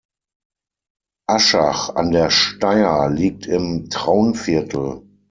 Aschach an der Steyr liegt im Traunviertel.